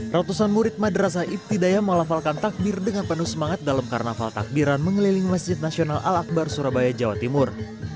ratusan murid madrasah ibtidayah melafalkan takbir dengan penuh semangat dalam karnaval takbiran mengeliling masjid nasional al akbar surabaya jawa timur